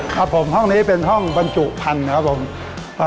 ครับผมห้องนี้เป็นห้องบรรจุพันธุ์ครับผม